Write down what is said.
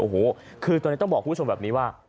โอ้โหคือตอนนี้ต้องบอกคุณผู้ชมแบบนี้ว่า